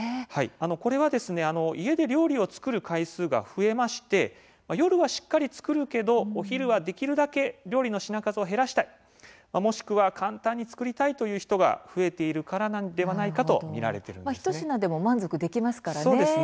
これは家で料理を作る回数が増えまして夜はしっかり作るけれどもお昼はできるだけ料理の品数を減らしたいもしくは簡単に作りたいという人が増えているからなので一品でも満足できますからね。